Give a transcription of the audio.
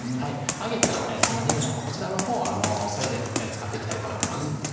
揚げた玉ねぎのほうこちらのほう添えで使っていきたいと思います